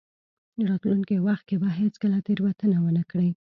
راتلونکي وخت کې به هېڅکله تېروتنه ونه کړئ.